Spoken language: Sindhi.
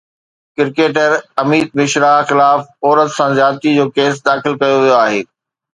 ڪرڪيٽر اميت مشرا خلاف عورت سان زيادتي جو ڪيس داخل ڪيو ويو آهي